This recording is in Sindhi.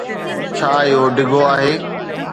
ڇا اھو ڊگھو آھي؟